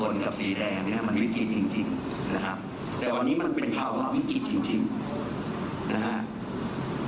มันวิกฤตจริงนะครับแต่วันนี้มันเป็นภาวะวิกฤตจริงนะครับ